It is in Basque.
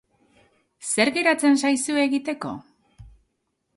Zer geratzen zaizu egiteko?